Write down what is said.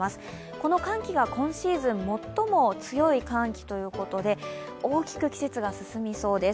この寒気が今シーズン最も強い寒気ということで大きく季節が進みそうです。